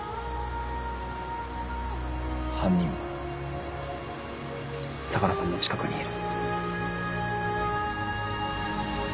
犯人は相良さんの近くにいる。